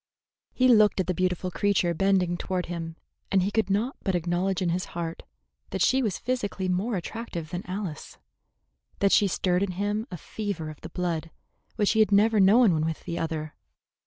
He looked at the beautiful creature bending toward him, and he could not but acknowledge in his heart that she was physically more attractive than Alice, that she stirred in him a fever of the blood which he had never known when with the other.